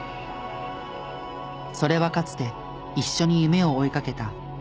それはかつて一緒に夢を追いかけた相棒の姿。